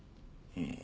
うん。